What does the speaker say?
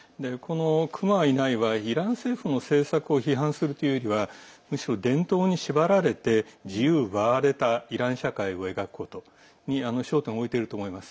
「熊は、いない」はイラン政府の政策を批判するというよりはむしろ伝統に縛られて自由を奪われたイラン社会を描くことに焦点を置いていると思います。